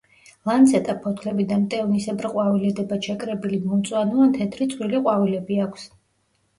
ლანცეტა ფოთლები და მტევნისებრ ყვავილედებად შეკრებილი მომწვანო ან თეთრი წვრილი ყვავილები აქვს.